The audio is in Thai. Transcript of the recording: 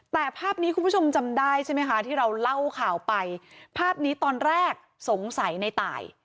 แต่ภาพนี้คุณผู้ชมจำได้ใช่ไหมคะที่เราเล่าข่าวไปภาพนี้ตอนแรกสงสัยในตาย